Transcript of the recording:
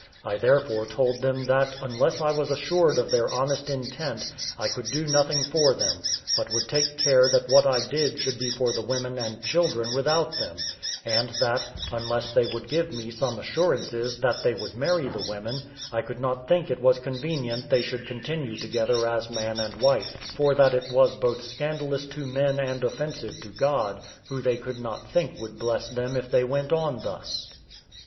I therefore told them that unless I was assured of their honest intent, I could do nothing for them, but would take care that what I did should be for the women and children without them; and that, unless they would give me some assurances that they would marry the women, I could not think it was convenient they should continue together as man and wife; for that it was both scandalous to men and offensive to God, who they could not think would bless them if they went on thus.